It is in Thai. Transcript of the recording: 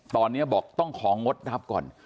ตอนนี้บอกต้องของงดรับก่อน